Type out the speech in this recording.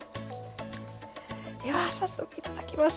では早速いただきます。